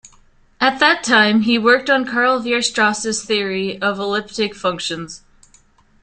At that time he worked on Karl Weierstrass's theory of elliptic functions.